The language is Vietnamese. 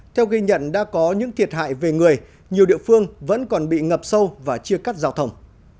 theo ghi nhận đã có những thiệt hại về người nhiều địa phương vẫn còn bị ngập sâu và chia cắt giao thông